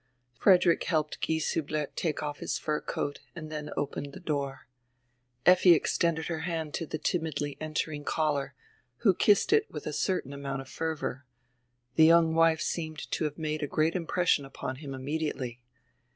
Frederick helped Gieshiihler take off his fur coat and dien opened die door. Effi extended her hand to die timidly entering caller, who kissed it with a certain amount of fervor. The young wife seemed to have made a great impression upon him immediately.